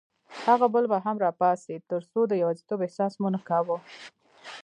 هغه بل به هم راپاڅېد، ترڅو د یوازیتوب احساس مو نه کاوه.